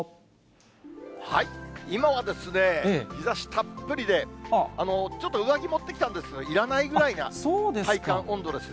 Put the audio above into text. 今は日ざしたっぷりで、ちょっと上着持ってきたんですが、いらないぐらいな体感温度ですね。